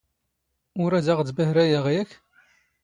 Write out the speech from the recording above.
ⵓⵔ ⴰⴷ ⴰⵖ ⴷ ⴱⴰⵀⵔⴰ ⵢⴰⵖ, ⵢⴰⴽ?